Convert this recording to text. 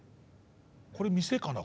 これ店かな？